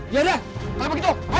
iya udah kalau begitu ayo